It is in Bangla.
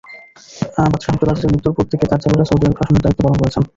বাদশাহ আবদুল আজিজের মৃত্যুর পর থেকে তার ছেলেরা সৌদি আরব শাসনের দায়িত্ব পালন করছেন।